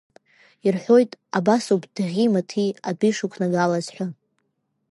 Ирҳәоит, абас ауп даӷьи-маҭи адәы ишықәнагалаз ҳәа.